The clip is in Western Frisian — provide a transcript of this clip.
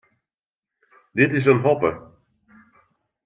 Dit is in hoppe.